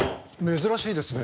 珍しいですね。